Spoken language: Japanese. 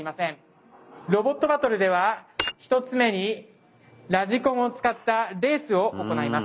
ロボットバトルでは一つ目にラジコンを使ったレースを行います。